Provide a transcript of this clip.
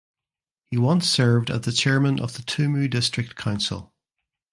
He once served as the chairman of the Tumu District council.